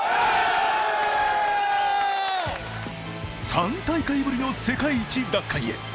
３大会ぶりの世界一奪還へ。